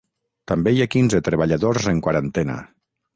També hi ha quinze treballadors en quarantena.